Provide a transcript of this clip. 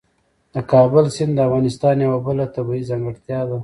د کابل سیند د افغانستان یوه بله طبیعي ځانګړتیا ده.